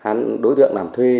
hà là một đối tượng làm thuê